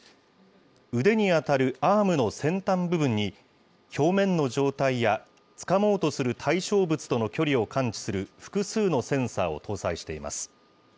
腕に当たるアームの先端部分に、表面の状態や、つかもうとする対象物との距離を感知する複数のセンサーを搭載しています。